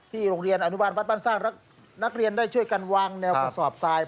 โรงเรียนอนุบาลวัดบ้านสร้างและนักเรียนได้ช่วยกันวางแนวกระสอบทราย